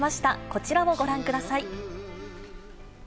こちらをご覧ください。